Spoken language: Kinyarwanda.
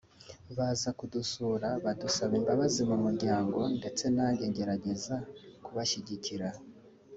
baza kudusura badusaba imbabazi mu muryango ndetse nanjye ngerageza kubashyigikira